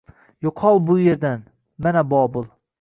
Yo `qol bu yerdan! Mana, Bobil!